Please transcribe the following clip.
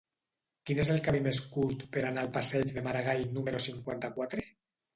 Quin és el camí més curt per anar al passeig de Maragall número cinquanta-quatre?